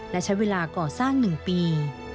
และใช้เวลาก่อสร้าง๑ปี